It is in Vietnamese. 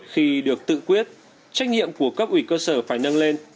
khi được tự quyết trách nhiệm của cấp ủy cơ sở phải nâng lên